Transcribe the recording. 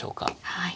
はい。